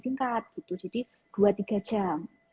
singkat gitu jadi dua tiga jam